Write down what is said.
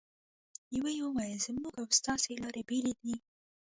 یوه یې وویل: زموږ او ستاسې لارې بېلې دي.